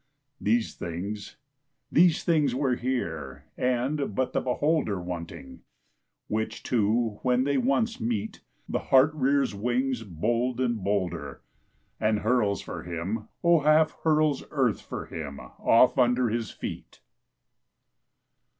These things, these things were here and but the beholder Wanting; which two when they once meet, The heart rears wings bold and bolder And hurls for him, O half hurls earth for him off under his feet.